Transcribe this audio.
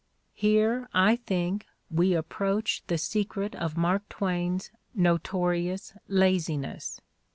Here, I think, we approach the secret of Mark Twain's notorious "laziness."